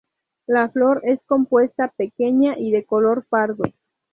La flor es compuesta, pequeña y de color pardo.